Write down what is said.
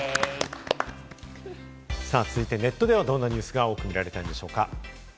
続いてネットではどんなニュースが多く見られたのでしょうか。